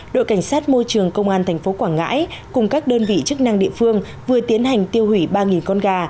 đội cảnh sát môi trường công an tp quảng ngãi cùng các đơn vị chức năng địa phương vừa tiến hành tiêu hủy ba con gà